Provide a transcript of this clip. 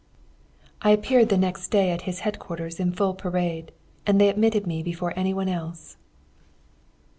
"I appeared next day at his headquarters in full parade, and they admitted me before any one else.